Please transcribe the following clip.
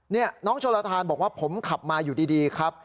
นี่น้องโชลทานบอกว่าผมขับมาอยู่ดีครับ